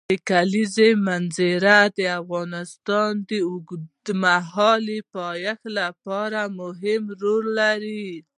د کلیزو منظره د افغانستان د اوږدمهاله پایښت لپاره مهم رول لري.